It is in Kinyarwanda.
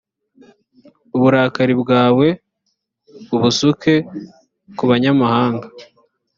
uburakari bwawe ubusuke ku banyamahanga